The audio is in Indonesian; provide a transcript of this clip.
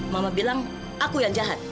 mama bilang aku yang jahat